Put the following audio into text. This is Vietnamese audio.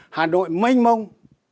hà nội mênh mông